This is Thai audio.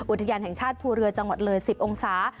อุทยานแห่งชาติภูเรือจังหวัดเลย๑๐องศา